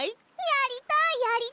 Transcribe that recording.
やりたい！